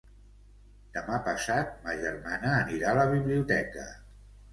Demà passat ma germana anirà a la biblioteca.